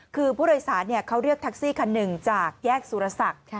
คือผู้โดยสารเขาเรียกแท็กซี่คันหนึ่งจากแยกสุรศักดิ์